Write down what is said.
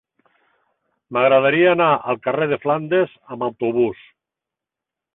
M'agradaria anar al carrer de Flandes amb autobús.